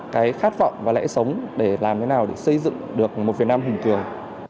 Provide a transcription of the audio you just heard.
cái khát vọng và lẽ sống để làm thế nào để xây dựng được một việt nam hùng cường